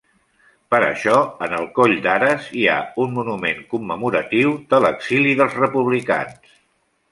Per això, en el coll d'Ares hi ha un monument commemoratiu de l'exili dels republicans.